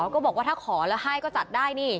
ก็บอกว่าถ้าขอแล้วให้ก็จัดได้นี่